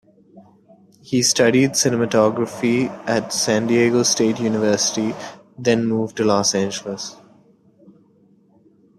He studied cinematography at San Diego State University, then moved to Los Angeles.